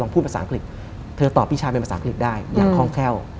พูดภาษาอังกฤษเธอตอบพี่ชายเป็นภาษาอังกฤษได้อย่างคล่องแคล่ว